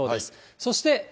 そして。